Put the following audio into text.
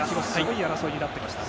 すごい争いになってきましたね。